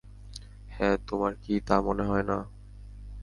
হ্যাঁ, তোমার কি তা মনে হয়না?